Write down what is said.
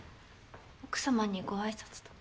奥様にご挨拶とか。